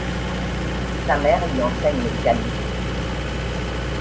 Sa mère lui enseigne le piano.